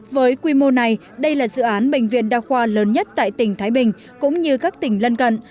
với quy mô này đây là dự án bệnh viện đa khoa lớn nhất tại tỉnh thái bình cũng như các tỉnh lân cận